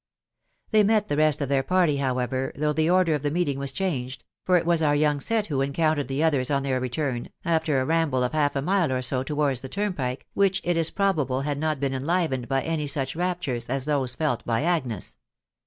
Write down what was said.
They met the rest of their party, however, though the order of the meeting was changed, for it was our young set who encountered the others on their return, after a ramble of half a mile or so towards the turnpike, which it is probable had not been enlivened by any such raptures as those felt by Agnes.